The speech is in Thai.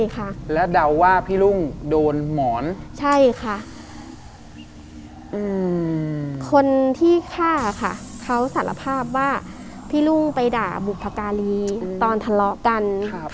ก็เลยมีปากเสียงกัน